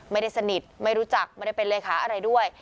ไม่ได้สนิทไม่รู้จักไม่ได้เป็นเลขาอะไรด้วย